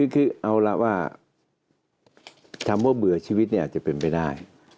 คือเอาล่ะว่าคำว่าเบื่อชีวิตเนี่ยอาจจะเป็นไปได้